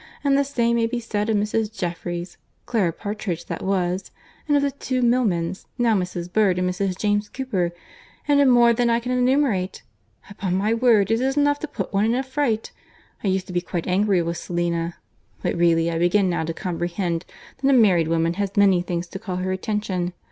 And the same may be said of Mrs. Jeffereys—Clara Partridge, that was—and of the two Milmans, now Mrs. Bird and Mrs. James Cooper; and of more than I can enumerate. Upon my word it is enough to put one in a fright. I used to be quite angry with Selina; but really I begin now to comprehend that a married woman has many things to call her attention.